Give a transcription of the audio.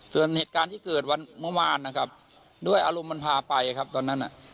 ส่วนเหตุการณ์ที่เกิดวันเมื่อวานนะครับด้วยอารมณ์มันพาไปครับตอนนั้น